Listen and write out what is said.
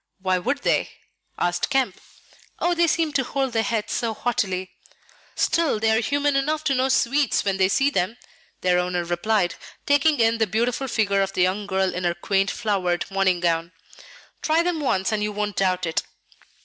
"Why should they?" asked Kemp. "Oh, they seem to hold their heads so haughtily." "Still, they are human enough to know sweets when they see them," their owner replied, taking in the beautiful figure of the young girl in her quaint, flowered morning gown. "Try them once, and you won't doubt it."